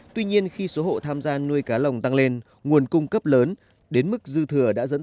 tuy nhiên khi số hộ tham gia nuôi cá lồng tăng lên nguồn cung cấp lớn đến mức dư thừa đã dẫn